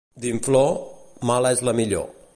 D'inflor, mala és la millor.